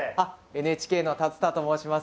ＮＨＫの竜田と申します。